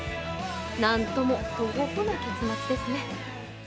なんともトホホな結末ですね。